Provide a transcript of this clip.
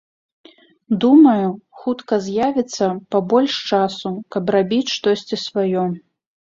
Думаю, хутка з'явіцца пабольш часу, каб рабіць штосьці сваё.